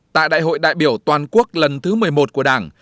tại đại hội đại biểu toàn quốc lần thứ một mươi một của đảng